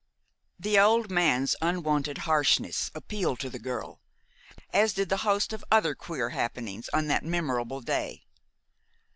The old man's unwonted harshness appealed to the girl as did the host of other queer happenings on that memorable day.